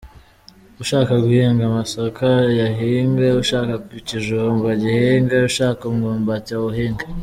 Ushaka guhinga amasaka ayahinge, ushaka ikijumba agihinge, ushaka umwumbati awuhinge".